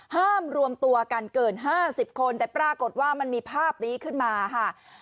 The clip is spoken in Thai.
รวมตัวกันเกิน๕๐คนแต่ปรากฏว่ามันมีภาพนี้ขึ้นมาค่ะ